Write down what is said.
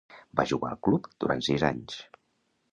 Va jugar al club durant sis anys.